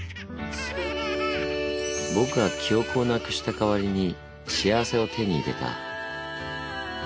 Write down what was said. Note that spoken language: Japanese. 僕は記憶をなくした代わりに幸せを手に入れた。